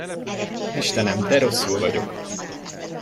Istenem, de rosszul vagyok!